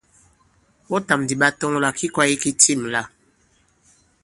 Ɓɔtàm ndì ɓa tɔŋ àlà ki kwāye ki tîm la.